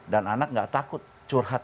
dan anak nggak takut curhat sama orang lain